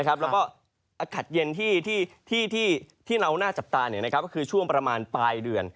และอากาศเย็นได้ในหน้าจับตาปลายเดือน